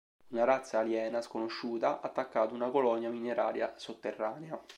Una razza aliena sconosciuta ha attaccato una colonia mineraria sotterranea.